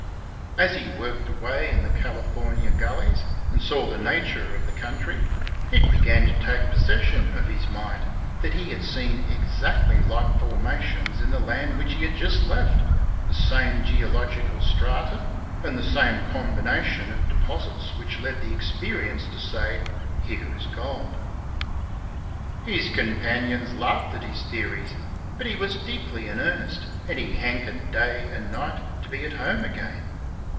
As he worked away in the CaHfornia gullies and saw the nature of the country, it began to take possession of his mind that he had seen exactly like formations in the land which he had just left, the same geological strata, and the same combination of deposits which led the experienced to say, "Here is gold." His companions laughed at his theories, but he was deeply in earnest, and he hankered day and night to be at home again.